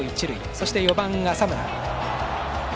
そして、４番、浅村。